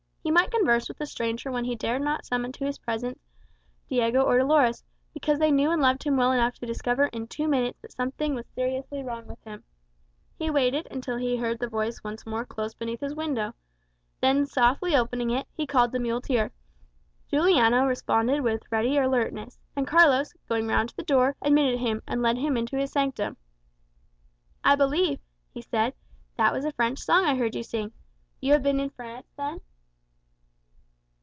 He might converse with this stranger when he dared not summon to his presence Diego or Dolores, because they knew and loved him well enough to discover in two minutes that something was seriously wrong with him. He waited until he heard the voice once more close beneath his window; then softly opening it, he called the muleteer. Juliano responded with ready alertness; and Carlos, going round to the door, admitted him, and led him into his sanctum. "I believe," he said, "that was a French song I heard you sing. You have been in France, then?"